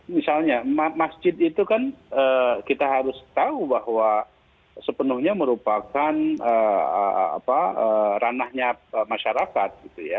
misalnya masjid itu kan kita harus tahu bahwa sepenuhnya merupakan ranahnya masyarakat